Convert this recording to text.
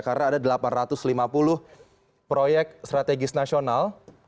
karena ada delapan ratus lima puluh proyek strategis nasional